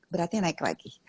beratnya naik lagi